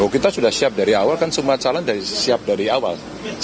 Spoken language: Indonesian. kita sudah siap dari awal kan semua calon siap dari awal